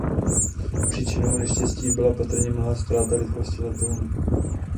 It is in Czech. Příčinou neštěstí byla patrně mlha a ztráta rychlosti letounu.